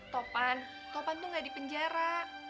topan topan tuh gak di penjara